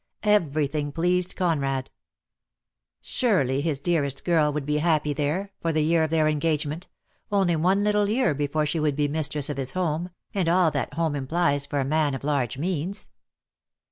Everything pleased Conrad. 78 DEAD LOVE HAS CHAINS. Surely his dearest girl would be happy there — for the year of their engagement — only one little year before she would be mistress of his home, and all that home implies for a man of large means.